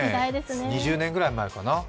２０年ぐらい前かな。